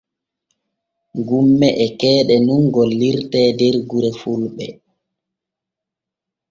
Gumme e keeɗe nun gollirte der gure fulɓe.